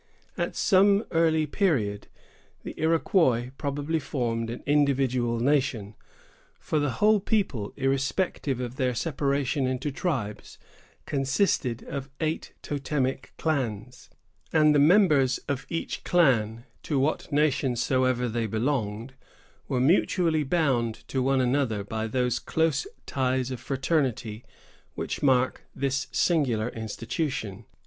At some early period, the Iroquois probably formed an individual nation; for the whole people, irrespective of their separation into tribes, consisted of eight totemic clans; and the members of each clan, to what nation soever they belonged, were mutually bound to one another by those close ties of fraternity which mark this singular institution.